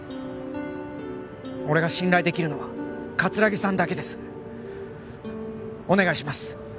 俺が信頼できるのは葛城さんだけですお願いします